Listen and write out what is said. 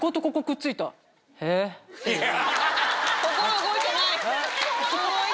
動いてない。